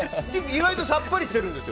意外とさっぱりしてます。